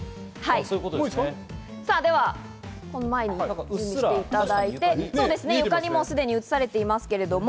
では、前に移動していただいて、床にすでに映されています。